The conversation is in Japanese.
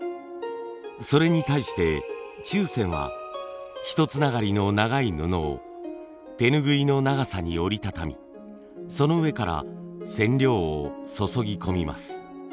それに対して注染はひとつながりの長い布を手ぬぐいの長さに折り畳みその上から染料を注ぎ込みます。